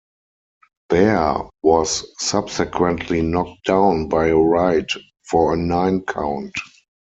Baer was subsequently knocked down by a right for a nine count.